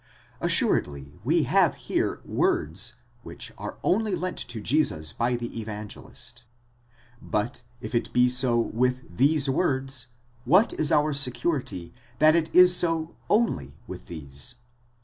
Assuredly we have here words, which are only lent to Jesus by the Evangelist : but if it be so with these words, what is our security that it is so omy with these?